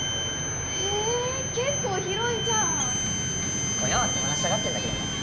へえ結構広いじゃん親は手放したがってんだけどね